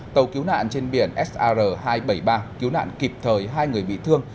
tàu cứu nạn trên biển sr hai trăm bảy mươi ba cứu nạn kịp thời hai người bị thương